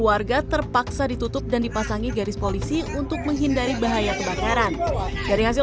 warga terpaksa ditutup dan dipasangi garis polisi untuk menghindari bahaya kebakaran dari hasil